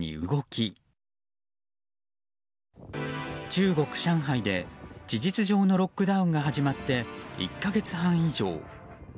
中国・上海で事実上のロックダウンが始まって１か月半以上。